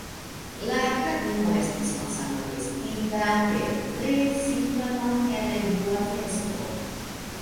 La knabino estis malsame vestita, per tre simpla, malhele blua vesto.